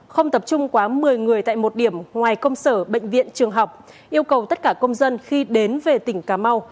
không tập trung quá một mươi người tại một điểm ngoài công sở bệnh viện trường học yêu cầu tất cả công dân khi đến về tỉnh cà mau